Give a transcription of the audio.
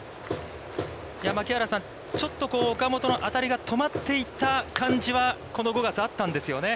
槙原さん、ちょっと岡本の当たりが止まっていた感じはこの５月あったんですよね。